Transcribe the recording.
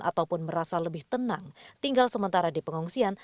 ataupun merasa lebih tenang tinggal sementara di pengungsian